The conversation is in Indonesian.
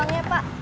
buang ya pak